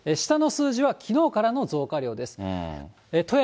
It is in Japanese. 下の数字はきのうからの増加量です。